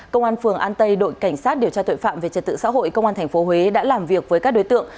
công an phường an tây đội cảnh sát điều tra tội phạm về trật tự xã hội công an tp huế đã làm việc với các đối tượng